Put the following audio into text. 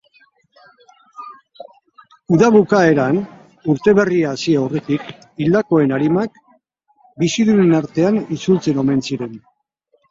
Uda bukaeran urteberria hasi aurretik hildakoen arimak bizidunen artera itzultzen omen ziren.